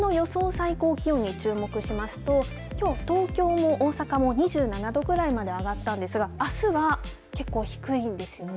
最高気温に注目しますときょう、東京も大阪も２７度ぐらいまで上がったんですがあすは結構低いんですよね。